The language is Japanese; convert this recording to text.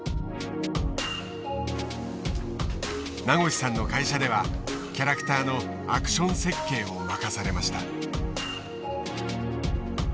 名越さんの会社ではキャラクターのアクション設計を任されました。